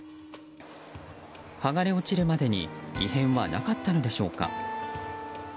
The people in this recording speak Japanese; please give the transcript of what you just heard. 剥がれ落ちるまでに異変はなかったのでしょうか。